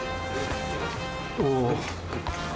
お。